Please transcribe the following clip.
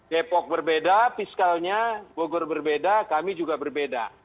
depok berbeda fiskalnya bogor berbeda kami juga berbeda